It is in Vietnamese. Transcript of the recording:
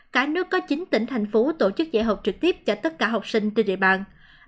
cả nước có chín tỉnh thành phố tổ chức dạy học trực tiếp cho tất cả học sinh trên địa bàn